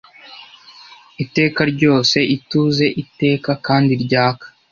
Iteka ryose, ituze iteka kandi ryaka,